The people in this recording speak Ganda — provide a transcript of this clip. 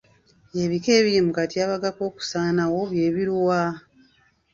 Ebika ebiri mu katyabaga k'okusaanawo bye biri wa?